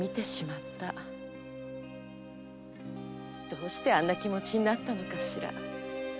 どうしてあんな気持ちになったのかしら？